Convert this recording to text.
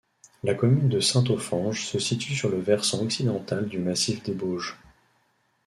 La commune de Saint-Offenge se situe sur le versant occidental du massif des Bauges.